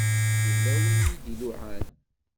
Yella win i d-iluɛan.